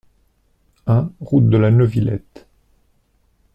un route de la Neuvillette